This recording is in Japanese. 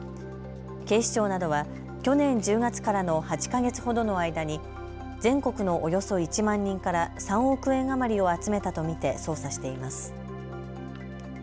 警視庁などは去年１０月からの８か月ほどの間に全国のおよそ１万人から３億円余りを集めたと見て捜査しています。